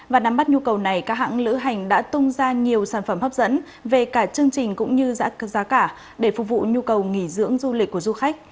và nắm bắt nhu cầu này các hãng lữ hành đã tung ra nhiều sản phẩm hấp dẫn về cả chương trình cũng như giá cả để phục vụ nhu cầu nghỉ dưỡng du lịch của du khách